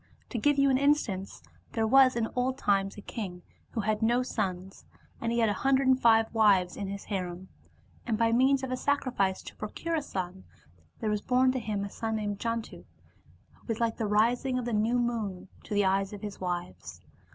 To give you an instance, there was in old times a king who had no sons, and he had a hundred and five wives in his harem. And by means of a sacrifice to procure a son, there was born to him a son named Jantu, who was like the rising of the new moon to the eyes of his wives.